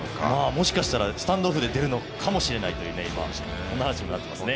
もしかしたらスタンドオフで出るのかもしれないということですよね。